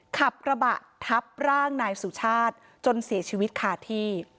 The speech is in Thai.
ขับกระบะทับร่างนายสุชาติจนเสียชีวิตคาที่